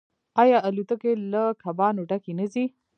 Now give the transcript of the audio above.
آیا الوتکې له کبانو ډکې نه ځي؟